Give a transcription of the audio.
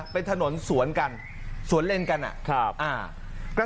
เป็นถนนศวนกันศวนเลนกันนะ